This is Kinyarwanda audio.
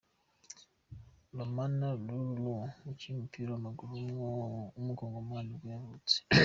Lomana LuaLua, umukinnyi w’umupira w’amaguru w’umukongomani nibwo yavutse.